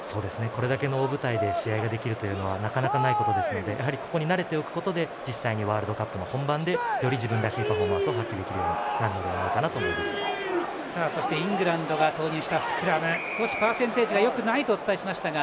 これだけの大舞台で試合ができるのはなかなかないことなのでこれに慣れておくことでワールドカップの本番で、より自分らしいパフォーマンスを発揮できるようになるのではイングランドが投入したスクラム少しパーセンテージがよくないとお伝えしましたが。